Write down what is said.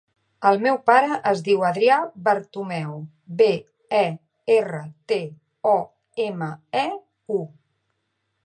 El meu pare es diu Adrià Bertomeu: be, e, erra, te, o, ema, e, u.